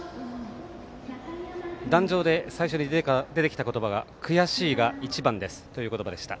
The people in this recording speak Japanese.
壇上で最初に出てきた言葉が悔しいが一番ですという言葉でした。